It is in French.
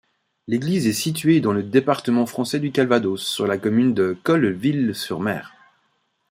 L'église est située dans le département français du Calvados, sur la commune de Colleville-sur-Mer.